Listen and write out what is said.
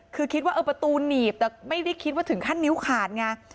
คือคิดว่าเออประตูหนีบแต่ไม่ได้คิดว่าถึงขั้นนิ้วขาดไง